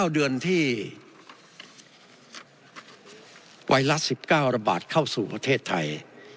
๙เดือนที่ไวรัส๑๙ระบาดเข้าสู่ประเทศไทย